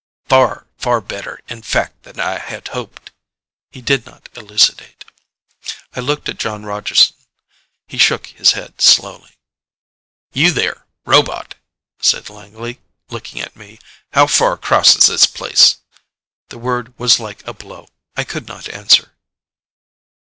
"Far, far better, in fact, than I had hoped." He did not elucidate. I looked at Jon Rogeson. He shook his head slowly. "You there robot!" said Langley, looking at me. "How far across this place?" The word was like a blow. I could not answer.